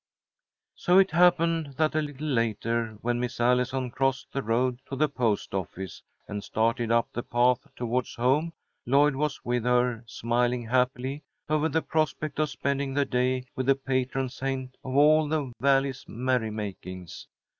So it happened that a little later, when Miss Allison crossed the road to the post office, and started up the path toward home, Lloyd was with her, smiling happily over the prospect of spending the day with the patron saint of all the Valley's merrymakings.